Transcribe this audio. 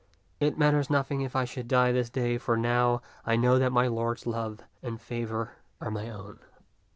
It matters nothing if I should die this day, for now I know that my lord's love and favor are my own."